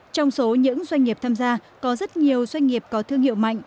trong số những doanh nghiệp tham gia có rất nhiều doanh nghiệp có thương hiệu mạnh